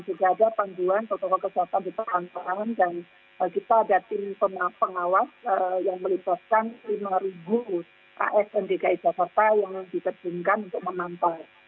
juga ada panduan protokol kejahatan di perantaran dan kita ada tim pengawas yang melipaskan lima as dki jakarta yang dikerjunkan untuk memantau